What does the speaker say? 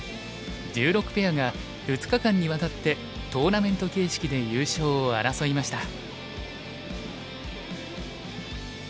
１６ペアが２日間にわたってトーナメント形式で優勝を争いました。